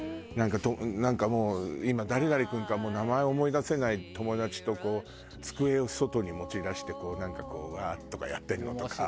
なんか今誰々君かもう名前思い出せない友達と机を外に持ち出してなんかこううわー！とかやってるのとか。